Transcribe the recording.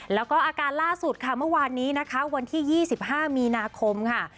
แล้วก็อาการล่าสุดค่ะเมื่อวานนี้นะคะวันที่๒๕มีนาคมค่ะ